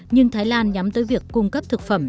nhưng thái lan nhắm tới việc cung cấp thực phẩm